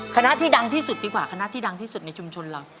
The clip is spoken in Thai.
คณะที่ดังที่สุดดีกว่าคณะที่ดังที่สุดในชุมชนเรา